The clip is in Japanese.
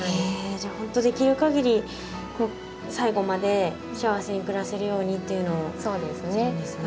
じゃあ本当できる限り最後まで幸せに暮らせるようにっていうのをするんですね。